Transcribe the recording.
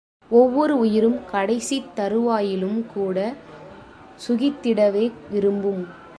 ஒவ்வொரு உயிரும் கடைசித் தருவாயிலும் கூட சுகித்திடவே விரும்பும்.